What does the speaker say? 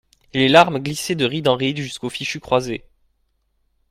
Les larmes glissaient de ride en ride jusqu'au fichu croisé.